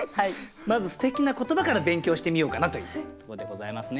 まず素敵な言葉から勉強してみようかなというとこでございますね。